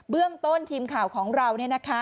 เรื่องต้นทีมข่าวของเรา